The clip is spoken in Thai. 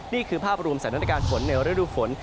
นี่คือภาพรวมสถานการณ์ฝนในฤดูฝน